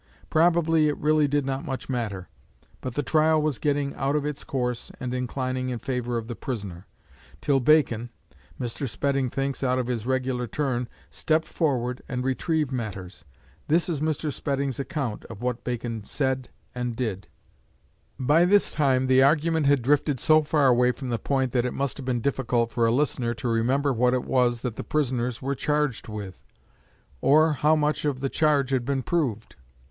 Probably it really did not much matter; but the trial was getting out of its course and inclining in favour of the prisoner, till Bacon Mr. Spedding thinks, out of his regular turn stepped forward and retrieved matters. This is Mr. Spedding's account of what Bacon said and did: "By this time the argument had drifted so far away from the point that it must have been difficult for a listener to remember what it was that the prisoners were charged with, or how much of the charge had been proved.